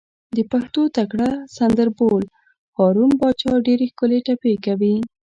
د پښتو تکړه سندر بول، هارون پاچا ډېرې ښکلې ټپې کوي.